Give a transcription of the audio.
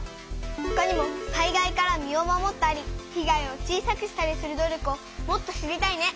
ほかにも災害から身を守ったり被害を小さくしたりする努力をもっと知りたいね！